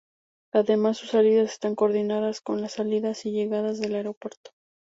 Además sus salidas están coordinadas con las salidas y llegadas del aeropuerto.